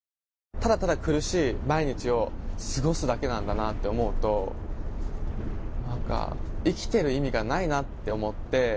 「ただただ苦しい毎日を過ごすだけなんだなって思うと何か生きてる意味がないなって思って」。